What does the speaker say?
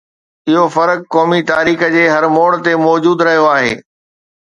اهو فرق قومي تاريخ جي هر موڙ تي موجود رهيو آهي.